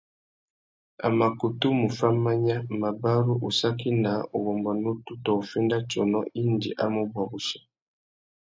A mà kutu mù fá manya, mabarú, ussaki naā, uwômbô nutu tô uffénda tsônô indi a mù bwa wussi.